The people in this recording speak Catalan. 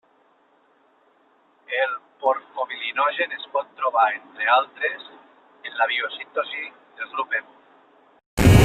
El porfobilinogen es pot trobar, entre altres, en la biosíntesi del grup hemo.